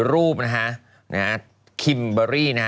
รูปนะฮะ